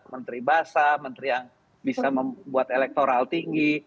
menteri basah menteri yang bisa membuat elektoral tinggi